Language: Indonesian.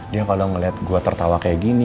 dia kalo ngeliat gue tertawa kayak gini